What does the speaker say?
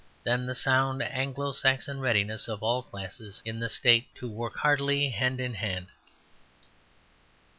than the sound Anglo Saxon readiness of all classes in the State "to work heartily hand in hand."